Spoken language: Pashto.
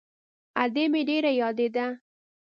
ادې مې ډېره يادېده.